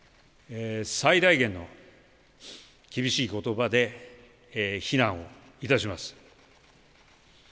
最大限の厳しいことばで非難をいたします。